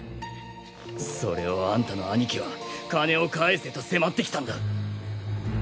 それをあんたのアニキは金を返せと迫ってきたんだ。